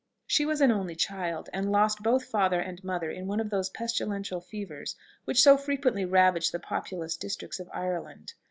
She was an only child, and lost both father and mother in one of those pestilential fevers which so frequently ravage the populous districts of Ireland.